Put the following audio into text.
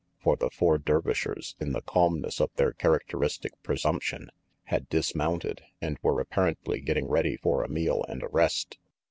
For the four Dervishers, in the calmness of their characteristic presumption, had dismounted, and were apparently getting ready for a meal and a rest.